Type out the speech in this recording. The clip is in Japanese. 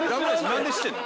何で知ってんの？